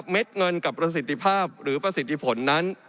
เงินกับประสิทธิภาพหรือประสิทธิผลนั้น